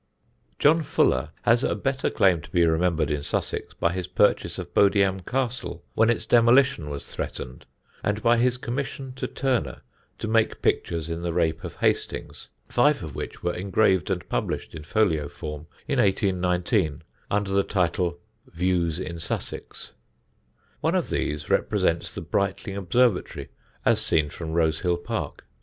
[Sidenote: TURNER IN SUSSEX] John Fuller has a better claim to be remembered in Sussex by his purchase of Bodiam Castle, when its demolition was threatened, and by his commission to Turner to make pictures in the Rape of Hastings, five of which were engraved and published in folio form, in 1819, under the title Views in Sussex. One of these represents the Brightling Observatory as seen from Rosehill Park.